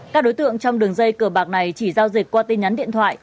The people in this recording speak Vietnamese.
các đối tượng trong đường dây cờ bạc này chỉ giao dịch qua tin nhắn điện thoại